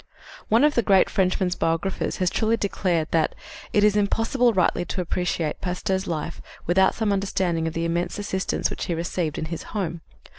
One of the great Frenchman's biographers has truly declared that "it is impossible rightly to appreciate Pasteur's life without some understanding of the immense assistance which he received in his home.